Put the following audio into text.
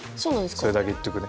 それだけ言っとくね。